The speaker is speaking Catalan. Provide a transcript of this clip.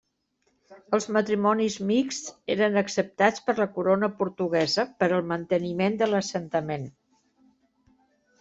Els matrimonis mixts eren acceptats per la Corona Portuguesa, per al manteniment de l'assentament.